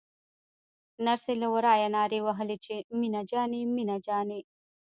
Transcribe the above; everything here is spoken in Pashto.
نرسې له ورايه نارې وهلې چې مينه جانې مينه جانې.